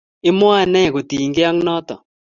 imwoe nee kotinykei ak noto?